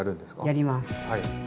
やります。